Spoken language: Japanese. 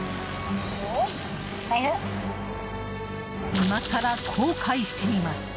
今さら後悔しています。